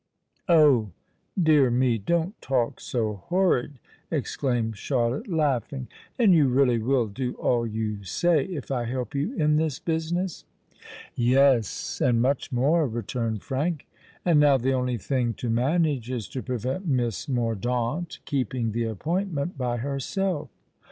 "Oh! dear me, don't talk so horrid!" exclaimed Charlotte, laughing. "And you really will do all you say—if I help you in this business?" "Yes—and much more," returned Frank. "And now the only thing to manage, is to prevent Miss Mordaunt keeping the appointment by herself.